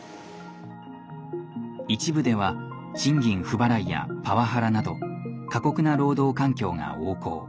一部では賃金不払いやパワハラなど過酷な労働環境が横行。